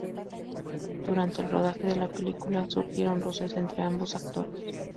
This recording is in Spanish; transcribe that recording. Durante el rodaje de la película surgieron roces entre ambos actores.